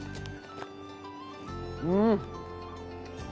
うん。